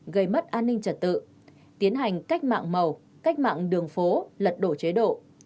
gây mất an ninh trật tự tiến hành cách mạng màu cách mạng đường phố lật đổ chế độ